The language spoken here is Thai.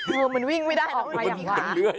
เออมันวิ่งไม่ได้ออกมาอย่างกว่า